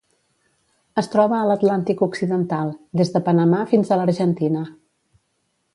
Es troba a l'Atlàntic occidental: des de Panamà fins a l'Argentina.